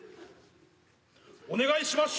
お願いしましゅ。